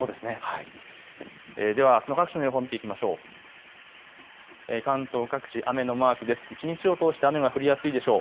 ではあすの各地の予報を見ていきましょう。